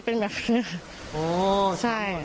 ไม่เคยเลย